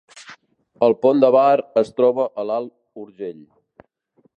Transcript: El Pont de Bar es troba a l’Alt Urgell